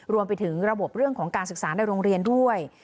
รวมไปถึงระบบเรื่องของการศึกษาในโรงเรียนด้วย